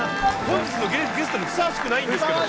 本日のゲストにふさわしくないんですけど。